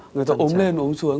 người ta ốm lên ốm xuống